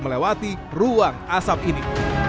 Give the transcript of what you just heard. melewati ruang asap ini